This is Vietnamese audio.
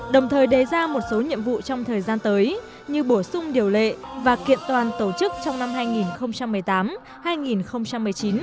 đồng thời đề ra một số nhiệm vụ trong thời gian tới như bổ sung điều lệ và kiện toàn tổ chức trong năm hai nghìn một mươi tám hai nghìn một mươi chín